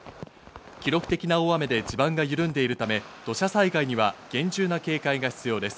記録的な大雨で地盤が緩んでいるため、土砂災害には厳重な警戒が必要です。